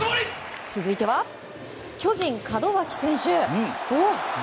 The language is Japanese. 続いては、巨人の門脇選手。